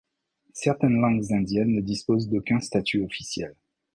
Certaines langues indiennes ne disposent d'aucun statut officiel.